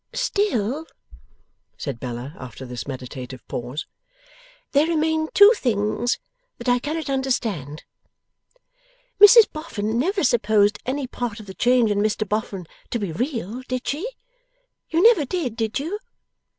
'Still,' said Bella, after this meditative pause, 'there remain two things that I cannot understand. Mrs Boffin never supposed any part of the change in Mr Boffin to be real; did she? You never did; did you?